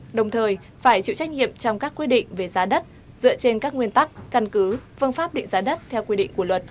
ubnd cấp tỉnh có trách nhiệm trong các quy định về giá đất dựa trên các nguyên tắc căn cứ phương pháp định giá đất theo quy định của luật